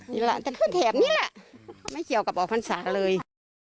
นี่แหละท่านขึ้นแถบนี่แหละไม่เกี่ยวกับออกพรรษาเลย